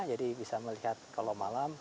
jadi bisa melihat kalau malam